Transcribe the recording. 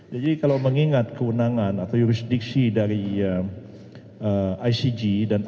jadi kalau mengingat kewenangan atau jurisdiksi dari icg